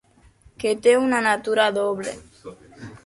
Que té una natura doble.